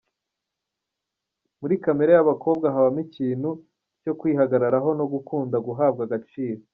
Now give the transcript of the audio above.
Muri kamere y’abakobwa habamo ikintu cyo kwihagararaho no gukunda guhabwa agaciro.